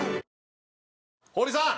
堀さん。